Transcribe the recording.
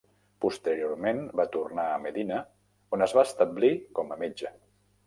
Posteriorment va tornar a Medina on es va establir com a metge.